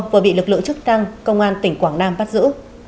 vừa bị lực lượng chức năng công an tỉnh quảng nam bắt giữ